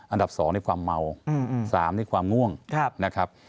อันดับสองนี่ความเมาสามนี่ความง่วงนะครับ